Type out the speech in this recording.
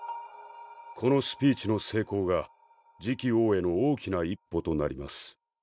このスピーチの成功が次期王への大きな一歩となります